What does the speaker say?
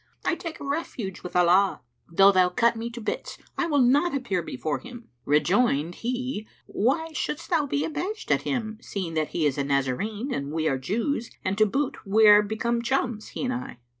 I take refuge with Allah! Though thou cut me to bits, I will not appear before him!" Rejoined he, "Why shouldst thou be abashed at him, seeing that he is a Nazarene and we are Jews and, to boot, we are become chums, he and I?"